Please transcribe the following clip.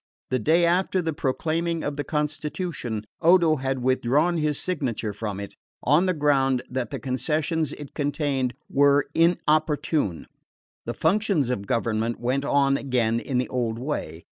The day after the proclaiming of the constitution Odo had withdrawn his signature from it, on the ground that the concessions it contained were inopportune. The functions of government went on again in the old way.